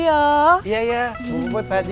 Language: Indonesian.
iya iya bapak ibu berhati hati